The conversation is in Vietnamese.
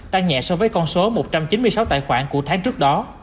tăng nhẹ so với con số một trăm chín mươi sáu tài khoản của tháng trước đó